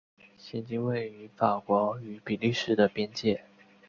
现今位于法国与比利时的边界。